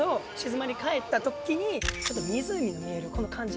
でちょっと湖が見えるこの感じ。